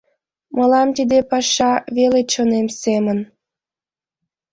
Мылам тиде паша веле чонем семын.